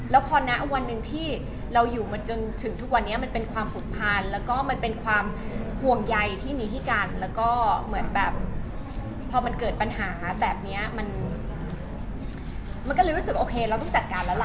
แล้วพอนะวันหนึ่งที่เราอยู่มาจนถึงทุกวันนี้มันเป็นความผูกพันแล้วก็มันเป็นความห่วงใยที่มีให้กันแล้วก็เหมือนแบบพอมันเกิดปัญหาแบบนี้มันก็เลยรู้สึกโอเคเราต้องจัดการแล้วล่ะ